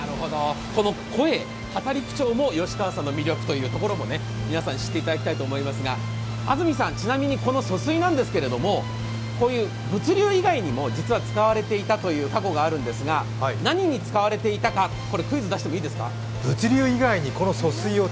この声、語り口調も吉川さんの魅力を皆さん知っていただきたいと思いますが、安住さんちなみにこの疎水なんですけれども、物流以外にも実は使われていたという過去があるんですが、何に使われていたかクイズ出してもいいですか？